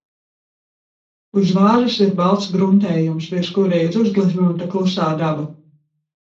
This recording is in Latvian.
Uz vāzes ir balts gruntējums, virs kura ir uzgleznota klusā daba.